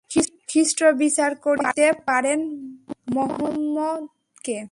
খ্রীষ্ট বিচার করিতে পারেন মহম্মদকে।